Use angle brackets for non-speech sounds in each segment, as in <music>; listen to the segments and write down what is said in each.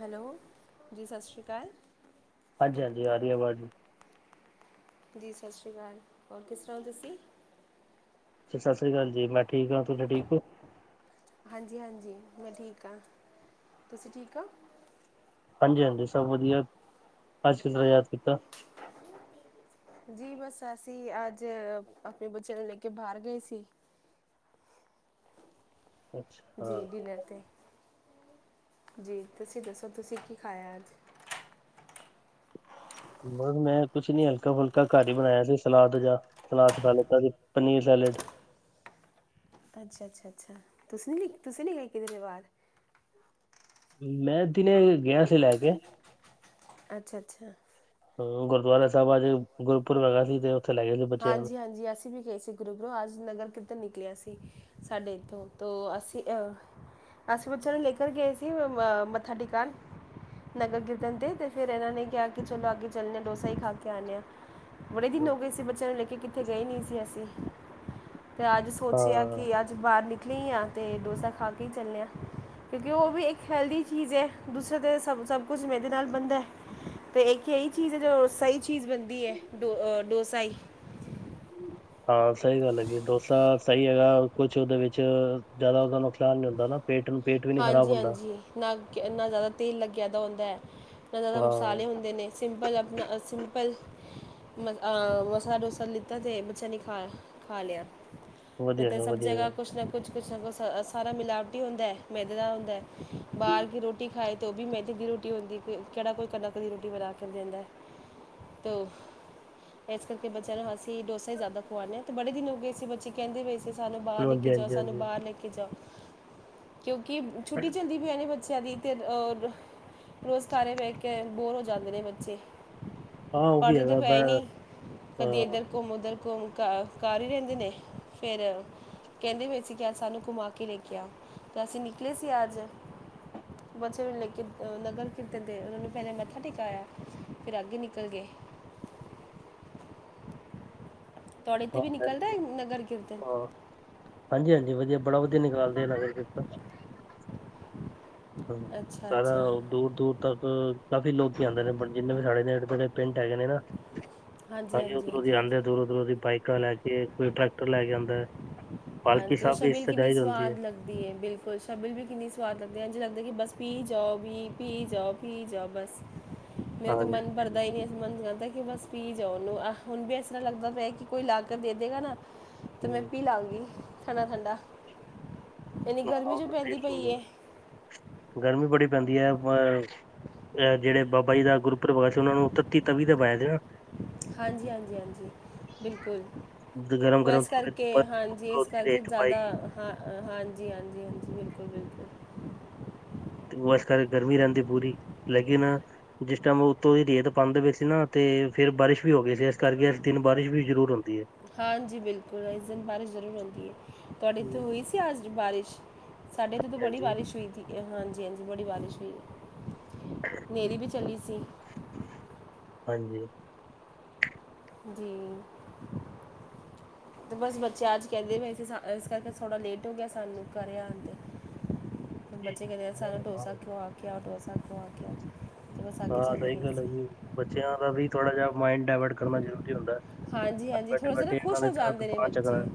Hello ਜੀ। ਸਤਿ ਸ਼੍ਰੀ ਅਕਾਲ। ਹਾਂਜੀ-ਹਾਂਜੀ ਆ ਰਹੀ ਆਵਾਜ਼ ਜੀ ਜੀ ਸਤਿ ਸ਼੍ਰੀ ਅਕਾਲ। ਹੋਰ ਕਿਸ ਤਰ੍ਹਾਂ ਹੋ ਤੁਸੀਂ? ਸਤਿ ਸ੍ਰੀ ਅਕਾਲ ਜੀ। ਮੈਂ ਠੀਕ ਹਾਂ। ਤੁਸੀਂ ਠੀਕ ਹੋ? ਹਾਂਜੀ ਹਾਂਜੀ। ਮੈਂ ਠੀਕ ਹਾਂ। ਤੁਸੀਂ ਠੀਕ ਹੋ? ਹਾਂਜੀ-ਹਾਂਜੀ। ਸਭ ਵਧੀਆ, ਅੱਜ ਕਿਦਾ ਯਾਦ ਕੀਤਾ। ਜੀ ਬਸ ਅਸੀਂ ਅੱਜ ਆਪਣੇ ਬੱਚਿਆਂ ਨੂੰ ਲੈ ਕੇ ਬਾਹਰ ਗਏ ਸੀ। ਜੀ ਅੱਛਾ, ਡਿਨਰ 'ਤੇ ਹਾਂ। ਜੀ। ਤੁਸੀਂ ਦੱਸੋ ਤੁਸੀਂ ਕੀ ਖਾਇਆ ਅੱਜ? ਮੈਂ ਕੁਝ ਨੀ ਹਲਕਾ ਫੁਲਕਾ ਘਰ ਹੀ ਬਣਾਇਆ ਸੀ। ਸਲਾਦ ਜਾਂ ਸਲਾਦ ਖਾ ਲੀਤਾ ਸੀ ਪਨੀਰ ਸੈਲਡ। ਅੱਛਾ ਅੱਛਾ ਅਛਾ। ਤੁਸੀਂ ਨੀ ਤੁਸੀਂ ਨੀ ਗਏ ਕਿੱਧਰੇ ਬਾਹਰ? ਮੈਂ ਦਿਨੇ ਗਿਆ ਸੀ ਲੈ ਕੇ। ਅੱਛਾ ਅੱਛਾ। ਗੁਰਦੁਆਰਾ ਸਾਹਿਬ ਅੱਜ ਗੁਰਪੁਰਬ ਹੈਗਾ ਸੀ ਤੇ। ਲੈ ਗਏ ਸੀ ਬੱਚਿਆਂ ਹਾਂਜੀ-ਹਾਂਜੀ। ਅਸੀਂ ਵੀ ਗਏ ਸੀ ਗੁਰੂ ਗੁਰੂ ਅੱਜ ਨਗਰ ਕਿੱਧਰ ਨਿਕਲਿਆ ਸੀ। ਸਾਡੇ ਇੱਥੋਂ ਤੋਂ ਅਸੀਂ ਅਹ ਅਸੀਂ ਬੱਚਿਆਂ ਨੂੰ ਲੈਕਰ ਗਏ ਸੀ ਮੱਥਾ ਟਿਕਾਣ ਨਗਰ ਕੀਰਤਨ ਤੇ ਤੇ ਫਿਰ ਇਹਨਾਂ ਨੇ ਕਿਹਾ ਕਿ ਚਲੋ ਅੱਗੇ ਚੱਲਣੇ ਹ ਡੋਸਾ ਹੀ ਖਾ ਕੇ ਆਉਂਦੇ ਹਾਂ। ਬੜੇ ਦਿਨ ਹੋ ਨੂੰ ਗਏ ਸੀ ਬ। ਤੁਹਾਨੂੰ ਲੈ ਕੇ ਕਿੱਥੇ ਗਏ ਨਹੀਂ ਸੀ ਅਸੀਂ। ਤੇ ਅੱਜ ਸੋਚਿਆ ਹਾਂ ਕਿ ਅੱਜ ਬਾਹਰ ਨਿਕ। ਲਈ ਹੀ ਹਾਂ ਅਤੇ ਡੋਸਾ ਖਾ ਕੇ ਹੀ ਚੱਲਦੇ ਹਾਂ। ਕਿਉਂਕਿ ਉਹ ਵੀ ਇੱਕ ਹੈਲਦੀ ਚੀਜ਼ ਹੈ ਦੂਸਰੇ 'ਤੇ ਸਭ-ਸਭ ਕੁਛ ਮੇਰੇ ਨਾਲ ਬਣਦਾ ਅਤੇ ਇੱਕ ਇਹੀ ਚੀਜ਼ ਹੈ ਜੋ ਸਹੀ ਚੀਜ਼ ਬਣਦੀ ਹੈ ਡੋ ਡੋਸਾ ਹੀ। ਹਾਂ। ਸਹੀ ਗੱਲ ਹੈਗੀ ਏ। ਡੋਸਾ ਸਹੀ ਹੈਗਾ ਕੁਝ ਉਹਦੇ ਵਿੱਚ ਜ਼ਿਆਦਾ ਉਹਦਾ ਨੁਕਸਾਨ ਨੀ ਹੁੰਦਾ ਨਾ। ਪੇਟ ਨੂੰ ਪੇਟ ਵੀ ਨੀ ਖ਼ਰਾਬ ਹਾਂਜੀ ਹੁੰਦਾ ਹਾਂਜੀ। ਨਾ ਨਾ ਜ਼ਿਆਦਾ ਤੇਲ ਲੱਗੇ ਕਿ ਇਦਾ ਹੁੰਦਾ ਹੈ। ਨਾ ਜ਼ਿਆਦਾ ਮਸਾਲੇ ਹਾਂ ਹੁੰਦੇ ਨੇ। ਸਿੰਪਲ ਸਿੰਪਲ ਮ ਮਸਾਲਾ ਡੋਸਾ ਲਿੱਤਾ ਤੇ ਬੱਚਾ ਨੇ ਖਾ-ਟ ਖਾ ਲਿਆ। ਨਹੀਂ ਵਧੀਆ ਤਾਂ ਹੈਗਾ ਸਭ ਵਧੀਆ ਜਗ੍ਹਾ ਹੈਗਾ ਕੁਛ ਨਾ ਕੁਛ ਕਿਸ ਕੋਲ ਸਾਰਾ ਮਿਲਾਵਟੀ ਹੁੰਦਾ ਹੈ। ਮੈਦੇ ਦਾ ਹੁੰਦਾ ਬਾਹਰ ਕੀ ਰੋਟੀ ਖਾਈ ਤੇ ਉਹ ਵੀ ਮਹਿੰ ਦੀ ਰੋਟੀ ਹੁੰਦੀ। ਕੋਈ ਕਿਹੜਾ ਕੋਈ ਕਦਾ ਕਦੀ ਰੋਟੀ ਬਣਾ ਕੇ ਦਿੰਦਾ। ਤ ਇਸ ਕਰਕੇ ਬੱਚਿਆਂ ਨੂੰ ਅਸੀਂ ਡੋਸਾ ਹੀ ਜ਼ਿਆਦਾ ਖਵਾਉਂਦੇ ਹਾਂ। ਤੇ ਬੜੇ ਦਿਨ ਹੋ ਗਏ ਸੀਂ ਬੱਚੇ ਕਹਿੰਦੇ ਪਏ ਕਿ ਸਾਨੂੰ ਬਾਹਰ ਲੇਕੇ ਜਾਓ। ਸਾਨੂੰ ਹਾਂਜੀ-ਹਾਂਜੀ-ਹਾਂਜੀ ਬਾਹਰ ਲੇਕੇ ਜਾਓ। ਕਿਉਂਕਿ ਛੁੱਟੀ ਚੱਲਦੀ ਪ ਹੈ ਬੱਚਿਆਂ ਦੀ ਤੇ ਅਹ ਰੁਜ਼ਗੇ ਬੈ ਕੇ ਬੋਰ ਹੋ ਜਾਂਦੇ ਨੇ ਬੱਚੇ ਹਾਂ ਉਹ ਵੀ ਪੜ੍ਹਦੇ ਤਾਂ ਹੈਗਾ ਪਏ ਮੈਂ ਨੀ ਕਦੀ ਹਾਂ ਇੱਧਰ ਘੁੰਮ ਉਧਰ ਘੁੰਮ ਕਰ ਹੀ ਰਹਿੰਦੇ ਨੇ ਫੇਰ ਕਹਿੰਦੇ ਹੋਏ ਸੀ ਕਿ ਅੱਜ ਸਾਨੂੰ ਘੁਮਾ ਕੇ ਲੈ ਕੇ ਤੇ ਅਸੀਂ ਨਿਕਲੇ ਸੀ ਅੱਜ ਬੱਚੇ ਲੈ ਕੇ ਨਗਰ ਕੀਰਤਨ ਤੇ ਉਹਨਾਂ ਨੂੰ ਪਹਿਲੇ ਮੱਥਾ ਟੇਕਾਇਆ ਫਿਰ ਅੱਗੇ ਨਿਕਲ ਗਏ। ਤੁਹਾਡੇ ਤੇ ਵੀ ਨਿਕਲਦਾ ਹੈ ਨਗਰ ਕੀਰਤਨ ਹਾਂਜੀ-ਹਾਂਜੀ, ਵਧੀਆ ਬੜਾ ਵਧੀਆ ਨਿਕਾਲਦੇ ਆ ਨਗਰ ਕੀਰਤਨ। ਹਾਂ ਅੱਛਾ ਸਾਰਾ ਅੱਛਾ ਦੂਰ-ਦੂਰ ਤੱਕ ਕਾਫੀ ਲੋਕ ਆਂਦੇ ਨੇ ਜਿੰਨੇ ਵੀ ਸਾਡੇ ਨੇਡੇ ਪਿੰਡ ਹੈਗੇ ਨੇ ਨਾ। ਹਾਂਜੀ ਸਹੀ ਹਾਂਜੀ ਹਾਂਜੀ ਉਰੋਧੀ ਹਾਂਜੀ ਆਂਦੇ ਦੂਰੋ-ਦੂਰੋ ਬਾਈਕ ਲੈ ਕੇ ਕੋਈ ਟਰੈਕਟਰ ਲੈ ਕੇ ਆਂਦਾ। ਹਾਂਜੀ, ਉਹ ਸ਼ਛਬਿਲ ਕਿੰਨੀ ਸਵਾਦ ਲੱਗਦੀ ਹੈ। ਬਿਲਕੁਲ ਸ਼ਬੀਲ ਵੀ ਕਿੰਨੀ ਸਵਾਦ ਲੱਗਦੀ ਹੈ। ਲੱਗਦਾ ਕਿ ਬਸ ਪੀ ਜਾਓ, ਬੀ ਪੀ ਜਾਓ, ਪੀ ਜਾਓ, ਬਸ ਮੇਰੇ ਤੇ ਹਾਂਜੀ ਮਨ ਹਾਂਜੀ ਭਰਦਾ ਹੀ ਨਹੀਂ ਮਨ ਦ ਕਿ ਬਸ ਪੀਵੀ ਜਾਓ ਉਹਨੂੰ ਆਹ ਹੁਣ ਵੀ ਐ ਤਰ੍ਹਾਂ ਲੱਗਦਾ ਪਿਆ ਕਿ ਕੋਈ ਲਾਗ ਦੇ ਦੇਗਾ ਨਾ ਤੇ ਮੈਂ ਹਮ, ਪੀ ਲਾਗੀ। ਠੰਡਾ-ਠੰਡਾ। ਹ ਗਰਮੀ ਬੜੀ ਪੈਂਦੀ ਹੈ ਅਹ ਅ ਜਿਹੜੇ ਬਾਬਾ ਜੀ ਦਾ ਗੁਰਪੂਰਬ ਆਇਆ ਸੀ ਉਹਨਾਂ ਨੂੰ ਤੱਤੀ ਤਵੀ ਦੇ ਬਾਇਆ ਗਿਆ। ਹਾਂਜੀ-ਹਾਂਜੀ। ਹਾਂਜੀ ਬਿਲਕੁਲ ਗਰਮ ਗਰਮ ਇਸ ਤਵੇ ਕਰਕੇ ਹਾਂਜੀ ਇਸ ਤੇ ਕਰਕੇ ਰੇਤ ਪਾਈ ਜ਼ਿਆਦਾ ਹਾਂ। ਹਾਂਜੀ-ਹਾਂਜੀ ਹਾਂਜੀ-ਹਾਂਜੀ, ਬਿਲਕੁਲ ਬਿਲਕੁਲ਼ ਤੇ ਉਹ ਇਸ ਕਰਕੇ ਗਰਮੀ ਰਹਿੰਦੀ ਹੈ। ਪੂਰੀ ਲੇਕਿਨ ਜਿਸ ਟਾਈਮ ਉੱਤੋਂ ਦੀ ਰੇਤ ਪਾੰਦੇ ਵਿੱਚ ਸੀ ਨਾ ਤੇ ਫ਼ਿਰ ਬਾਰਿਸ਼ ਵੀ ਹੋ ਗਈ ਸੀ ਇਸ ਕਰਕੇ ਇਸ ਦਿਨ ਬਾਰਿਸ਼ ਵੀ ਜ਼ਰੂਰ ਹੁੰਦੀ ਹੈ। ਹਾਂਜੀ। ਬਿਲਕੁਲ ਇਸ ਦਿਨ ਬਾਰਿਸ਼ ਜ਼ਰੂਰ ਆਉਂਦੀ ਹੈ। ਤੁਹਾਡੇ ਇੱਥੇ ਹਮ, ਹੋਈ ਸੀ ਆਜ ਬਾਰਿਸ਼ ਸਾਡੇ ਇੱਥੇ ਤੋਂ ਬੜੀ ਹਾਂਜੀ ਬਾਰਿਸ਼ ਹੋਈ ਇਹ। ਹਾਂਜੀ ਹਾਂਜੀ ਬਣੀ ਬਾਰਿਸ਼ ਹੋਈ ਐ। ਹਨੇਰੀ ਵਿੱਚ ਕਲੀ ਸੀ। ਹਾਂਜੀ। ਜੀ ਤੇ ਬਸ ਬੱਚੇ ਅੱਜ ਕਹਿੰਦੇ ਵੈੇ ਇਸ ਕਰਕੇ ਥੋੜ੍ਹਾ ਲੇਟ ਹੋ ਗਿਆ ਸਾਨੂੰ ਕਰਿਆ ਆਉਣ ਦੇ ਬੱਚੇ ਕਹਿੰਦੇ ਸਾਨੂੰ ਡੋਸਾ ਖੋਆ ਕੇਆ ਡੋਸਾ ਔਰ ਕਿਆ। ਹਾਂ ਸਹੀ ਗੱਲ ਆ ਜੀ ਬੱਚਿਆਂ ਦਾ ਵੀ, ਥੋੜਾ ਜਿਹਾ ਮਾਂਇਡ ਡਾਇਵਰਟ ਕਰਨਾ ਜਰੂਰੀ ਹੁੰਦਾ। ਹਾਂਜੀ ਘਰ ਹਾਂਜੀ ਬੈਠੇ ਥੋੜਾ ਜਿਹਾ ਨਾ ਬੈਠੇ ਇਹਨਾਂ ਖੁਸ਼ ਹੋ ਤਾਂ ਜਾਂਦੇ ਨੇ ਤੂਫਾਨ ਚੱਕਣਾ ਬੱਚੇ, ਹੈ।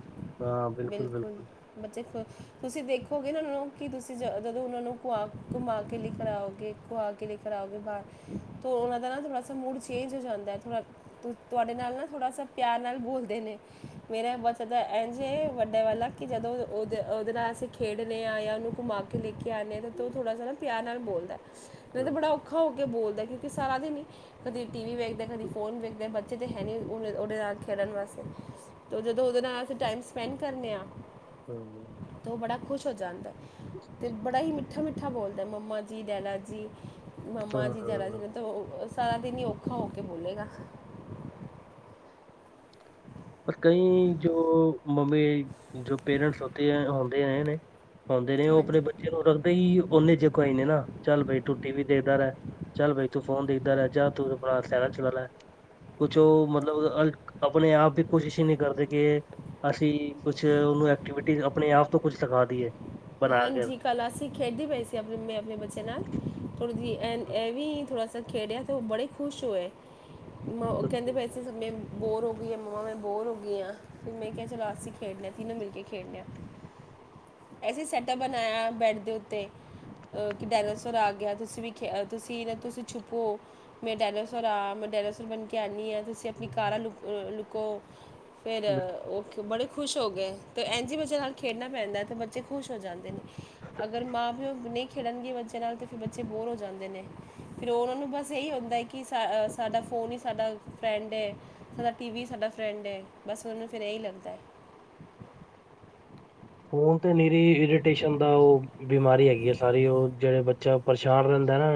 ਬਿਲਕੁਲ ਬੱਚੇ ਖੁ ਤੁਸੀਂ ਦੇਖੋ ਇਹਨਾ ਨੂੰ ਕਿ ਤੁਸੀਂ ਜਦੋਂ ਉਹਨਾਂ ਨੂੰ ਖੁਆ ਘੁੰਮਾ ਕੇ ਲੈ ਕੇ ਆਉਗੇ ਖੁਆ ਕੇ ਲੈ ਕਰਾਓਗੇ ਬਾਹਰ ਉਹਨਾਂ ਦਾ ਨਾ ਥੋੜ੍ਹਾ ਸਾ ਮੂਡ ਚੇਂਜ ਹੋ ਜਾਂਦਾ ਥੋੜਾ ਤੁਹਾਡੇ ਨਾਲ ਨਾ ਥੋੜਾ ਸਾ ਪਿਆਰ ਨਾਲ ਬੋਲਦੇ ਨੇ ਮੇਰਾ ਵਸਦਾ ਐ ਜੇ ਵੱਡੇ ਵਾਲਾ ਕਿ ਜਦੋਂ ਉਹਦੇ ਨਾਲ ਅਸੀਂ ਖੇਡ ਰਹੇ ਆਂ ਜਾਂ ਉਹਨੂੰ ਘੁਮਾ ਕੇ ਕਿਨੇ ਤੋਂ ਥੋੜਾ ਥੋੜਾ ਤਿਆ ਨਾਲ ਬੋਲਦਾ। ਨਹੀ ਤੇ ਹਮ ਬੜਾ ਔਖਾ ਹੋ ਕੇ ਬੋਲਦਾ ਕਿ ਸਾਰਾ ਦਿਨ ਕਦੀ ਟੀਵੀ ਵੇਖਦੇ ਕਦੇ ਫੋਨ ਵੇਖਦੇ ਆ ਬੱਚੇ ਤੇ ਹੈ ਨਹੀਂ। ਉਹਦੇ ਨਾਲ ਖੇਲਣ ਵਾਸਤੇ ਤੋ ਜਦੋਂ ਉਹਦੇ ਨਾਲ ਅਸੀਂ ਟਾਈਮ ਸਪੈਂਡ ਕਰਨੇ ਆ। ਤੁਹਨੂੰ <inaudible> ਤਾਂ ਉਹ ਬੜਾ ਹੋ ਖੁਸ਼ ਜਾਂਦਾ ਆ। ਤੇ ਬੜਾ ਹੀ ਮਿੱ ਮਿੱਠਾ ਮਿੱਠਾ ਬੋਲਦਾ ਮੰਮਾ ਜੀ ਡੈਡਾ ਜੀ ਮੰਮਾ ਜੀ ਜਰਾ ਹਾਂ ਸੀ ਤਾਂ ਉਹ ਬਸ ਸਾਰਾ ਦਿਨ ਹੀ ਔਖਾ ਹੋ ਕੇ ਬੋਲੇਗਾ ਸਾ ਕਈ ਜੋ ਮਵੇ ਜੋ ਪੇਰੈਂਟਸ ਹੋਤੇ ਹ ਆਉਂਦੇ ਰਹੇ ਨੇ। ਆਉਂਦੇ ਨੇ ਉਹ ਆਪਣੇ ਹਾਂਜੀ ਬੱਚੇ ਨੂੰ ਰੱਖਦੇ ਹੀ ਓਨੇ ਚੇ ਕੋਈ ਨਾ ਚੱਲ ਬਾਈ ਤੂੰ ਟੀ ਵੀ ਦੇਖਦਾ ਰਹਿ ਚੱਲ ਬਾਈ ਤੂੰ ਫੋਨ ਦੇਖਦਾ ਰਹਿ ਜਾ ਤੂੰ ਆਪਣਾ <unintelligible> ਸ ਚੁਲਾ ਕੁਛ ਉਹ ਮਤਲਬ ਆਪਣੇ ਆਪ ਤੇ ਕੋਸ਼ਿਸ਼ ਹੀ ਨਹੀਂ ਕਰਦੇ ਕਿ ਅਸੀਂ ਕੁਛ ਉਹਨੂੰ ਐਕਟੀਵਿਟੀ ਆਪਣੇ ਆਪ ਤੋਂ ਕੁਛ ਸਿਖਾ ਦੀਈਏ। ਹਾਂਜੀ ਕਲ ਅਸੀਂ ਖੇਡਦੇ ਪਏ ਸੀ ਆਪਣੇ ਆਪਣੇ ਬੱਚੇ ਨਾਲ ਥੋੜ੍ਹੀ ਜਿਹੀ ਐਂਡ ਐ ਵੀ ਥੋੜਾ ਸ ਖੇਡਿਆ ਤਾਂ ਉਹ ਬੜੇ ਖੁਸ਼ ਹੋਏ। ਮ ਕਹਿੰਦੇ ਪਏ ਸੀ ਸਭ ਨੇ ਬੋਰ ਹੋ ਗਈ ਮੰਮਾ ਮੈਂ ਬੋਰ ਹੋ ਗਈ ਆ ਮੈਂ ਕਿਹਾ ਚਲਾ ਆਰ ਸੀ ਖੇਡਦੇ ਅ ਤੀਨੇ ਮਿਲ ਕੇ ਖੇਡਣੇ ਆ। ਅਸੀ ਸੈੱਟਪ ਬਣਾਇਆ ਬੈੱਡ ਦੇ ਉੱਤੇ ਕਿ ਡਾਇਨਾਸੋਰ ਆ ਗਿਆ ਤੁਸੀਂ ਵੀ ਖੇਡੋ ਤੁਸੀਂ ਨਾ ਤੁਸੀਂ ਛੁਪੋ ਮੈਂ ਡਾਇਨਾਸੋਰ ਆ ਮੈਂ ਡਾਇਨਾਸੋਰ ਬਣ ਕੇ ਆਉਂਦੀ ਆਂ। ਤੁਸੀਂ ਆਪਣੀ ਕਾਰਾਂ ਲੁਕ ਲੁ ਕੋ ਫੇਰ ਓ ਬੜੇ ਖੁਸ਼ ਹੋ ਗਏ ਅਤੇ ਇਂਝ ਹੀ ਬੱਚੇਆ ਨਾਲ ਖੇਡਣਾ ਪੈਂਦਾ ਅਤੇ ਬ ਤੇੇ ਖੁਸ਼ ਹੋ ਜਾਂਦੇ ਨੇ। ਅਗਰ ਮਾਂ ਪਿਓ ਨਹੀਂ ਖੇਡਣਗੇ ਬੱਚੇ ਨਾਲ ਤੇ ਫਿਰ ਬੱਚੇ ਬੋਰ ਹੋ ਜਾਂਦੇ ਨੇ, ਫਿਰ ਉਹਨਾਂ ਨੂੰ ਬਸ ਇਹੀ ਹੁੰਦਾ ਹੈ ਕਿ ਸਾ-ਸਾਡਾ ਫੋਨ ਹੀ ਸਾਡਾ ਫਰੈਂਡ ਏ, ਸਾਡਾ ਟੀ ਵੀ ਸਾਡਾ ਫਰੈਂਡ ਏ, ਬਸ ਉਹਨੂੰ ਫਿਰ ਇਹੀ ਲੱਗਦੈ। ਫੋਨ ਤੇ ਮੇਰੀ ਇਰੀਟੇਸ਼ਨ ਦਾ ਉਹ-ਬਿਮਾਰੀ ਹੈਗੀ ਐਂ, ਸਾਰੀ ਉਹ ਜਿਹੜੇ ਬੱਚਾ ਪਰੇਸ਼ਾਨ ਰਹਿੰਦਾ ਨਾ,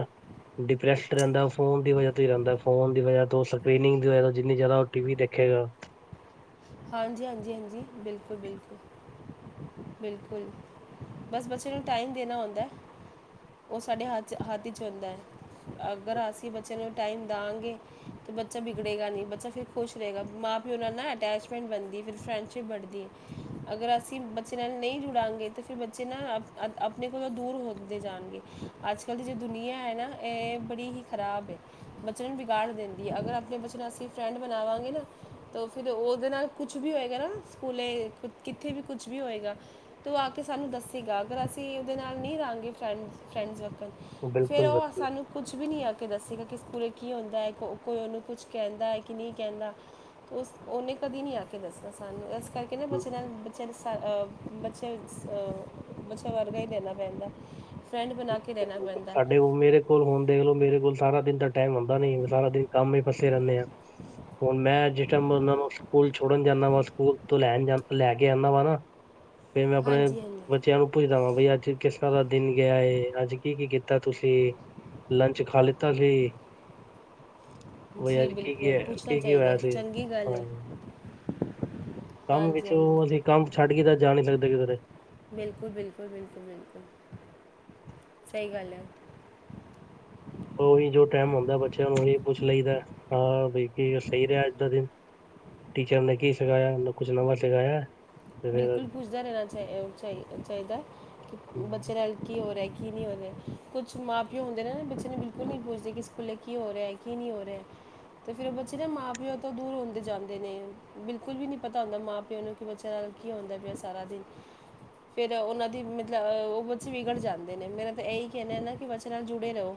ਡਿਪ੍ਰੈਸਡ ਰਹਿੰਦਾ ਉਹ ਫੋਨ ਦੀ ਵਜ੍ਹਾ ਤੋਂ ਹੀ ਰਹਿੰਦਾ, ਫੋਨ ਦੀ ਵਜ੍ਹਾ ਤੋਂ ਸਕ੍ਰਰੀਨਿੰਗ ਦੀ ਵਜ੍ਹਾ ਤੋਂ ਜਿੰਨੀ ਜ਼ਿਆਦਾ ਉਹ ਟੀ ਵੀ ਦੇਖੇਗਾ। ਹਾਂਜੀ ਹਾਂਜੀ ਹਾਂਜੀ, ਬਿਲਕੁਲ ਬਿਲਕੁਲ ਬਿਲਕੁਲ, ਬਸ ਬੱਚੇ ਨੂੰ ਟਾਈਮ ਦੇਣਾ ਓਂਦਾ। ਉਹ ਸਾਡੇ ਹੱਥ ਹੱਥ ਚ ਹੁੰਦਾ ਅਗਰ ਅਸੀਂ ਬੱਚੇਆ ਨੂੰ ਟਾਈਮ ਦਾਂਗੇ ਤਾਂ ਬੱਚਾ ਬਿਗੜੇਗਾ ਨਹੀਂ ਬੱਚਾ ਫੇਰ ਖੁਸ਼ ਰਹੇਗਾ, ਮਾਂ ਪਿਓ ਨਾਲ ਨਾ ਅਟੈਚ- ਫਰੈਂਡ ਬਣਦੀ, ਫਿਰ ਫਰੈਂਡਸ਼ਿਪ ਬੜਦੀ ਏ। ਅਗਰ ਅਸੀਂ ਬੱਚੇ ਨਾਲ ਨਹੀਂ ਜੁੜਾਂਗੇ ਤੇ ਫਿਰ ਬੱਚੇ ਨਾ ਆਪਣੇ ਕੋਲੋਂ ਦੂਰ ਹੋਦੇ ਜਾਣਗੇ ਅੱਜ ਕੱਲ੍ਹ ਦੀ ਜੋ ਦੁਨੀਆ ਹੈ ਨਾ ਇਹ ਬੜੀ ਹੀ ਖਰਾਬ ਏ, ਬੱਚਿਆਂ ਨੂੰ ਬਗਾੜ ਦਿੰਦੀ ਏ। ਅਗਰ ਆਪਣੇ ਬੱਚੇ ਨੂੰ ਅਸੀਂ ਫਰੈਂਡ ਬਣਾਵਾਂਗੇ ਨਾ ਤਾਂ ਫਿਰ ਉਹ- ਉਹਦੇ ਨਾਲ ਕੁਛ ਵੀ ਹੋਏਗਾ ਨਾ ਸਕੂਲੇ ਕਿੱਥੇ ਵੀ ਕੁਛ ਵੀ ਹੋਏਗਾ ਤਾਂ ਉਹ ਆ ਕੇ ਸਾਨੂੰ ਦੱਸੇਗਾ। ਅਗਰ ਅਸੀਂ ਉਹਦੇ ਨਾਲ ਨਹੀਂ ਰਹਾਂਗੇ ਫਰੈਂਡਸ-ਫਰੈਂਡਸ ਫੇਰ ਬਿਲਕੁਲ ਉਹ ਬਿਲਕੁਲ ਸਾਨੂੰ ਕੁਛ ਵੀ ਨਹੀਂ ਆ ਕੇ ਦੱਸੇਗਾ ਕਿ ਪੂਰੇ ਕੀ ਹੁੰਦਾ ਕੋ-ਕੋਈ ਉਹਨੂੰ ਕੁਛ ਕਹਿੰਦਾ ਕਿ ਨਹੀਂ ਕਹਿੰਦਾ, ਉਸ-ਉਹਨੇ- ਕਦੀ ਨੀ ਆ ਕੇ ਦੱਸਦਾ ਸਾਨੂੰ ਇਸ ਕਰਕੇ ਨਾ ਬੱਚੇਆਂ ਨਾਲ ਬੱਚੇ ਜਿਸਾਰ-ਅ ਬੱਚੇ-ਅ ਬੱਚਾ ਵਰਗਾ ਹੀ ਦੇਣਾ ਪੈਂਦੇ, ਫਰੈਂਡ ਬਣਾ ਕੇ ਰਹਿਣਾ ਪੈਂਦਾ ਸਾਡੇ ਉਹ, ਮੇਰੇ ਕੋਲ ਹੁਣ ਦੇਖਲੋ ਮੇਰੇ ਕੋਲ ਸਾਰਾ ਦਿਨ ਤ ਟਾਈਮ ਹੁੰਦਾ ਨਈ, ਸਾਰਾ ਦਿਨ ਕੰਮ ਹੀ ਫਸੇ ਰਹਿੰਨੇ ਆ। ਹੁਣ ਮੈਂ ਜਿਸ ਟੈਮ ਉਹਨਾਂ ਨੂੰ ਸਕੂਲ ਛੋੜਨ ਜਾਂਨਾ ਵਾ, ਸਕੂਲ ਤੋਂ ਲੈਣ ਜਾਂਨਾ, ਲੈ ਕੇ ਆਣਾ ਵਾ ਨਾ। ਫੇਰ ਮੈਂ ਆਪਣੇ ਹਾਂਜੀ ਹਾਂਜੀ ਬੱਚਿਆਂ ਨੂੰ ਪੁੱਛਦਾ ਵਾਂ ਬਈ ਅੱਜ ਕਿਸ ਤਰ੍ਹਾਂ ਦਾ ਦਿਨ ਗਿਆ ਏ, ਅੱਜ ਕੀ ਕੀ ਕੀਤ ਕੀ-ਲੰਚ ਖਾ ਲਿਤਾ ਕੀ? ਜੀ ਕੀ ਬਿਲਕੁਲ, ਪੁੱਛਣਾ ਕੀ ਕੀ ਚਾਹੀਦੇ ਹੋਇਆ ਸੀ ਚੰਗੀ ਗੱਲ ਹਾਂ ਏ। ਕੰਮ ਵਿੱਚੋਂ ਅਸੀਂ ਕੰਮ ਛੱਡ ਕੇ ਤਾਂ ਜਾ ਨਹੀਂ ਸਕਦੇ ਕਿਧਰੇ। ਬਿਲਕੁਲ ਬਿਲਕੁਲ ਬਿਲਕੁਲ ਬਿਲਕੁਲ ਸਹੀ ਗੱਲ ਏ। ਉਹੀ ਜੋ ਟੈਮ ਹੁੰਦਾ ਬੱਚਿਆਂ ਨੂੰ ਉਹੀ ਪੁੱਛ ਲਈਦਾ। ਹਾਂ, ਬਈ ਕੀ ਸਹੀ ਰਿਹਾ ਅੱਜ ਦਾ ਦਿਨ। ਟੀਚਰ ਨੇ ਕੀ ਸਿਖਾਇਆ ਕੁਛ ਨਵਾਂ ਸਿਖਾਯਾ? ਬਿਲਕੁਲ ਪੁੱਛਦਾ ਰਹਿਣਾ ਚਾ-ਅ-ਚਾਈ-ਅ- ਚਾਹੀਦੈ ਕਿ ਬੱਚੇ ਅਮ, ਨਾਲ ਕੀ ਹੋਰੇਏ। ਕੀ ਨੀ ਹੋ ਰਿਆ, ਕੁਛ ਮਾਂ-ਪਿਓ ਹੁੰਦੇ ਨਾ ਬੱਚੇ ਨੂੰ ਬਿਲਕੁਲ ਨੀ ਪੁੱਛਦੇ ਕਿ ਸਕੂਲੇ ਕੀ ਹੋ ਰਿਆ ਏ ਕੀ ਨੀ ਹੋ ਰਿਆ ਤੇ ਫਿਰ ਉਹ ਬੱਚੇ ਨਾ ਮਾਂ-ਪਿਓ ਤੋਂ ਦੂਰ ਹੁੰਦੇ ਜਾਂਦੇ ਨੇ, ਬਿਲਕੁਲ ਵੀ ਨੀ ਪਤਾ ਹੁੰਦਾ ਮਾਂ-ਪਿਓ ਨੂੰ ਕਿ ਬਚੇ- ਕੀ ਹੂੰਦਾ ਪਿਆ ਸਾਰਾ ਦਿਨ। ਫੇਰ ਉਹਨਾਂ ਦੀ ਮਤਲਬ-ਅ ਉਹ ਬੱਚੇ ਵਿਗੜ ਜਾਂਦੇ ਨੇ, ਮੇਰਾ ਤੇ ਇਹੀ ਕਹਿਣਾ ਏ ਨਾ ਕਿ ਬੱਚੇ ਨਾਲ ਜੁੜੇ ਰਹੋ,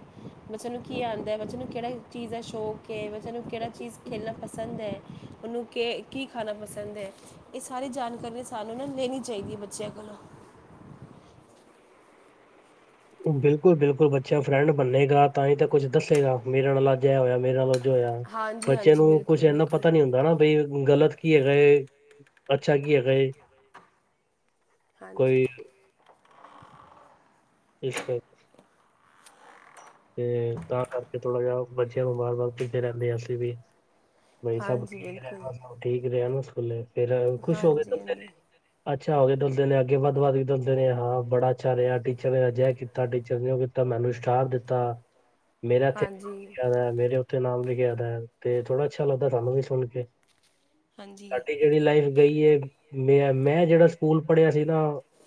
ਬੱਚਿਆਂ ਨੂੰ ਕੀ ਆਂਦੇ, ਬੱਚੇ ਨੂੰ ਕਿਹੜੇ ਚੀਜ਼ ਦਾ ਸ਼ੌਕ ਏ, ਬੱਚਿਆਂ ਨੂੰ ਕਿਹੜਾ ਚੀਜ਼ ਖੇਲਣ ਪਸੰਦ ਏ, ਉਹਨੂੰ ਕੀ ਖਾਣਾ ਪਸੰਦ ਏ, ਇਸ- ਸਾਰੀ ਜਾਣਕਾਰੀ ਸਾਨੂੰ ਨਾ ਲੈਣੀ ਚਾਈਦੀ ਏ ਬੱਚਿਆਂ ਕੋਲੋਂ। ਬਿਲਕੁਲ, ਬਿਲਕੁਲ ਬੱਚਾ ਫਰੈਂਡ ਬੰਨੇਗਾ ਤਾਂ ਹੀ ਤਾਂ ਕੁੱਝ ਦੱਸੇਗਾ, ਮੇਰੇ ਨਾਲ ਅੱਜ ਏ ਹੋਇਆ, ਮੇਰੇ ਨਾਲ ਅਜ ਦੋ ਹੋਇਆ, ਹਾਂਜੀ ਬੱਚੇਆ ਹਾਂਜੀ ਨੂੰ ਕੁਛ ਬਿਲਕੁਲ ਇੰਨਾ ਬਿਲਕੁਲ ਪਤਾ ਨੀ ਹੁੰਦਾ ਹੈਨਾ ਬਈ ਗਲਤ ਕੀ ਹੈਗਾ ਏ, ਅੱਛਾ ਕਿ ਹੈਗਾ ਏ। ਹਾਂਜੀ, ਕੋਈ ਅੱਛਾ, ਤੇ, ਤਾਂ ਕਰਕੇ ਥੋੜਾ ਜਿਹਾ ਬੱਚਿਆਂ ਵਾਰ-ਵਾਰ ਪਿਟਦੇ ਰਹਿੰਦੇ ਆ ਅਸੀਂ ਵੀ। ਬਾਈ ਸਭ ਹਾਂਜੀ ਠੀਕ ਬਿਲਕੁਲ ਰਹਿਣਾ, ਸਭ ਠੀਕ ਰਹਿਨਾ। ਸਕੂਲੇ, ਫੇਰ ਖੁਸ਼ ਹੋਕੇ ਹਾਂਜੀ ਤੁਰਦੇ ਨੇ। ਹਾਂਜੀ ਅੱਛਾ, ਓਦੋਂ ਤੋ ਬੇਲੇ ਅੱਗੇ ਵੱਧ ਵੱਧ ਕੇ ਦਸਦੇ ਨੇ, ਹਾਂ ਬੜਾ ਅੱਛਾ ਰਿਹਾ, ਟੀਚਰ ਨੇ ਅਜ ਏ ਕੀਤਾ, ਟੀਚਰ ਨੇ ਉਹ ਕੀਤਾ, ਮੈਨੂੰ ਸਟਾਰ ਦਿੱਤਾ। ਆ, ਮੇਰਾ ਹਾਂਜੀ <unintelligible> ਨਾਮ ਲਿਖਯਾਂ ਦਾ ਓਤੇ ਥੋੜਾ ਅੱਛਾ ਲੱਗਦਾ ਸਾਨੂੰ ਵੀ ਸੁਣ ਕੇ ਹਾਂਜੀ ਸਾਡੀ ਜਿਹੜੀ ਲਾਈਫ ਗਈ ਏ ਮੈਂ, ਮੈਂ ਜਿਹੜਾ ਸਕੂਲ ਪੜ੍ਹਿਆ ਸੀ ਨਾ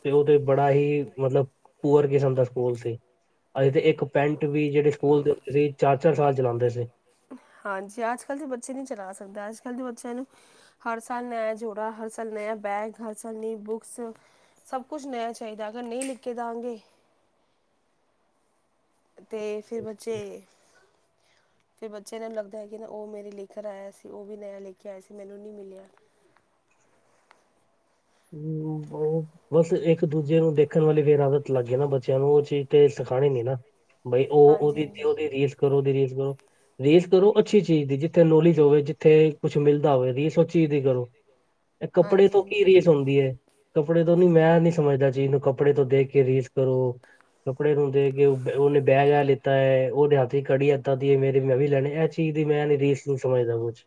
ਤੇ ਉਹ ਤੇ ਬੜਾ ਹੀ ਮਤਲਬ ਪੂਅਰ ਕਿਸਮ ਦਾ ਸਕੂਲ ਸੀ ਅਸੀ ਤੇ ਇੱਕ ਪੈਂਟ ਵੀ ਜਿਹੜੇ ਸਕੂਲ ਦੀ ਹੂੰਦੀ ਸੀ ਚਾਰ, ਚਾਰ ਸਾਲ ਚਲਾਉਂਦੇ ਸੀ। ਆਦੋ ਅੱਛਾ ਹੈ ਹਰ ਸਾਲ ਨੇਹਾ ਜੋੜਾ, ਹਰ ਸਾਲ ਨੇਹਾ ਆ ਬੈਗ, ਹਰ ਸਾਲ ਨਈ ਬੁਕਸ ਸਭ ਕੁਛ ਨਿਆ ਚਾਹੀਦਾ ਅਗਰ ਨਹੀਂ ਨਿੱਕੇ ਜਾਣਗੇ। ਤੇ ਫਿਰ ਬੱਚੇ ਫਿਰ ਬੱਚਿਆਂ ਨੇ ਲੱਗਦਾ ਹੈ ਕਿ ਨਾ ਉਹ ਮੇਰੇ ਲੇਕਰ ਆਇਆ ਸੀ, ਉਹ ਵੀ ਨਯਾ ਲੇਕੇ ਆਇਆ ਸੀ ਮੈਨੂੰ ਨਹੀਂ ਮਿਲਿਆ। ਹੂੰ ਉਹ ਬਸ ਇੱਕ ਦੂਜੇ ਨੂੰ ਦੇਖਣ ਵਾਲੀ ਫੇਰ ਆਦਤ ਲੱਗ ਗਈ ਨਾ ਬੱਚਿਆਂ ਨੂੰ ਉਹ ਚੀਜ਼ ਤੇ ਸਿਖਾਉਣੀ ਨੀ ਨਾ਼ ਬਈ ਉਹ ਹਾਂਜੀ ਉਹਦੀ, ਹਾਂਜੀ ਉਹਦੀ ਰੀਸ ਕਰੋ ਉਹਦੀ ਰੀਸ ਕਰੋ ਰੀਸ ਕਰੋ ਅੱਛੀ ਚੀਜ਼ ਦੀ ਜਿੱਥੇ ਨੋਲੇਜ ਹੋਵੇ ਜਿੱਥੇ ਕੁਛ ਮਿਲਦਾ ਹੋਵੇ ਰੀਸ ਉਹ ਚੀਜ਼ ਦੀ ਕਰੋ ਇਹ ਕੱਪੜੇ ਹਾਂਜੀ ਤੋਂ ਕੀ ਹਾਂਜੀ ਰੀਸ ਹੂੰਦੀ ਹੈ, ਕੱਪੜੇ ਤੋਂ ਨੀ ਮੈਂ ਨੀ ਸਮਝਦਾ ਚੀਜ਼ ਨੂੰ ਕੱਪੜੇ ਤੋਂ ਦੇਖ ਕੇ ਰੀਸ ਕਰੋ ਕੱਪੜੇ ਨੂੰ ਦੇਖ ਕੇ ਉਹਨੇ ਬੈਗ ਏਹ ਲਿੱਤਾ ਹੈ, ਉਹਦੇ ਹੱਥ ਚ ਘੜੀ ਏਦਾ ਦੀ ਏ, ਮੇਰੀ ਮੈਂ ਵੀ ਲੈਣੇ ਇਹ ਚੀਜ਼ ਦੀ ਮੈਂ ਨੀ ਰੀਸ ਨੂ ਸਮਝਦਾ ਕੁਛ,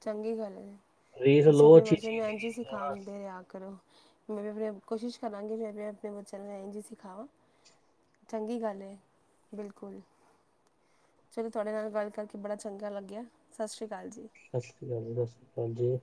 ਚੰਗੀ ਗੱਲ ਹੈ ਰੀਸ ਲੋ ਅੱਛੀ ਚੀਜ਼ ਦੀ ਰੀਸ ਖਾਂਦੇ ਆ ਕਰਨ ਮੈਂ ਵੀ ਆਪਣੇ ਕੋਸ਼ਿਸ਼ ਕਰਾਂਗੀ ਮੈਂ ਵੀ ਆਪਣੇ ਬੱਚਿਆਂ ਨੂੰ ਇੰਝ ਹੀ ਸਿਖਾਵਾਂ ਚੰਗੀ ਗੱਲ ਹੈ। ਬਿਲਕੁਲ, ਚਲੋ ਤੁਹਾਡੇ ਨਾਲ ਗੱਲ ਕਰਕੇ ਬੜਾ ਚੰਗਾ ਲੱਗਿਆ ਸਤਿ ਸ੍ਰੀ ਅਕਾਲ ਜੀ। ਸਤਿ ਸ਼੍ਰੀ ਅਕਾਲ ਜੀ, ਸਤਿ ਸ਼੍ਰੀ ਅਕਾਲ ਜੀ।